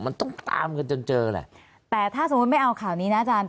มันต้องตามกันจนเจอแหละแต่ถ้าสมมุติไม่เอาข่าวนี้นะอาจารย์